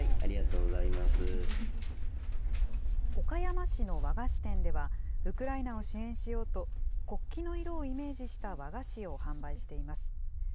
岡山市の和菓子店では、ウクライナを支援しようと、国旗の色をイメージした和菓子を販売しています。